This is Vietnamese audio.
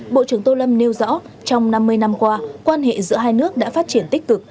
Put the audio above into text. bộ trưởng tô lâm nêu rõ trong năm mươi năm qua quan hệ giữa hai nước đã phát triển tích cực